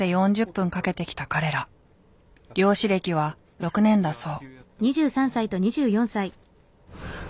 漁師歴は６年だそう。